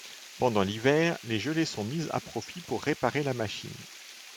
Pendant l’hiver, les gelées sont mises à profit pour réparer la machine.